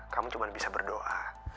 kamu cuma bisa berdoa